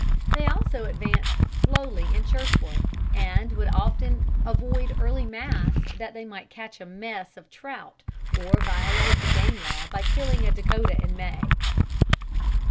They also advanced slowly in church work, and would often avoid early mass that they might catch a mess of trout or violate the game law by killing a Dakotah in May.